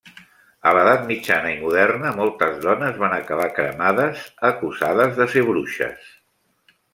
A l'edat mitjana i moderna, moltes dones van acabar cremades acusades de ser bruixes.